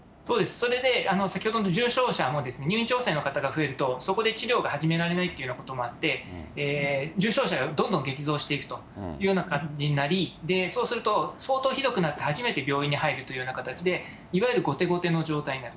それで、先ほどの重症者も、入院調整の方が増えると、そこで治療が始められないというようなこともあって、重症者がどんどん激増していくというような感じになり、そうすると、相当ひどくなって初めて病院に入るという形で、いわゆる後手後手の状態になる。